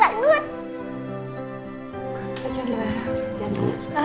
hai ibu sarah